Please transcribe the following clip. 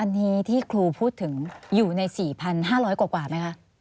อันนี้ที่ครูพูดถึงอยู่ใน๔๕๐๐กว่าไหมคะ